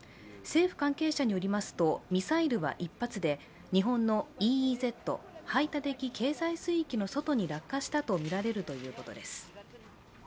政府関係者によりますと、ミサイルは１発で日本のＥＥＺ＝排他的経済水域の外に落下したとみられるということです。